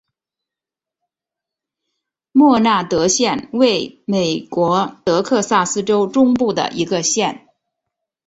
默纳德县位美国德克萨斯州中部的一个县。